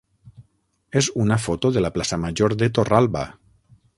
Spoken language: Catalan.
és una foto de la plaça major de Torralba.